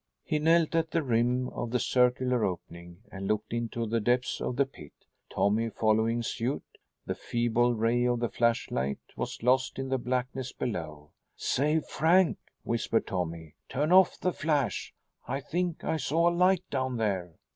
He knelt at the rim of the circular opening and looked into the depths of the pit, Tommy following suit. The feeble ray of the flashlight was lost in the blackness below. "Say, Frank," whispered Tommy, "turn off the flash. I think I saw a light down there."